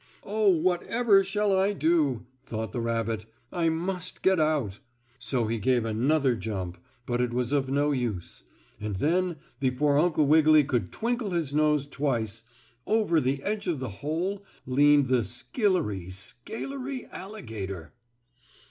"Oh, whatever shall I do?" thought the rabbit. "I must get out." So he gave another jump, but it was of no use, and then before Uncle Wiggily could twinkle his nose twice, over the edge of the hole leaned the skillery scalery alligator.